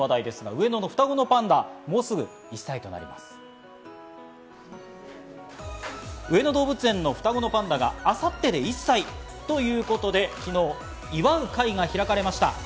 上野動物園の双子のパンダが明後日で１歳ということで、昨日、祝う会が開かれました。